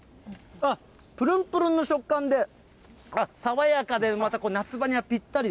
あっ、ぷるんぷるんの食感で、爽やかで、また、夏場にはぴったり。